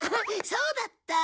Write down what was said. そうだった。